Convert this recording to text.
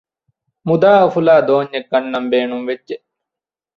މުދާ އުފުލާ ދޯންޏެއް ގަންނަން ބޭނުންވެއްޖެ